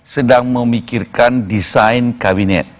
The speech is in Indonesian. sedang memikirkan desain kabinet